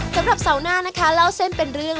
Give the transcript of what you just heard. สำหรับเสาร์หน้านะคะเล่าเส้นเป็นเรื่อง